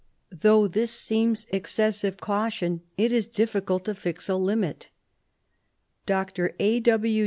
Though this seems excessive caution, it is difficult to fix a limit. Dr. A.